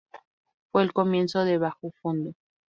Fue el comienzo de "Bajofondo".